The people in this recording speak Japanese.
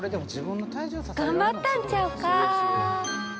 頑張ったんちゃうか。